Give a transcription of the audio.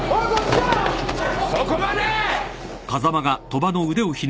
そこまで！